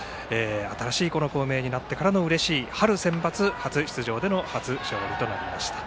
新しい校名になってからのうれしい春センバツ初出場での初勝利となりました。